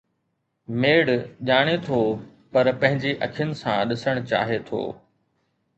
ميڙ ڄاڻي ٿو پر پنهنجي اکين سان ڏسڻ چاهي ٿو.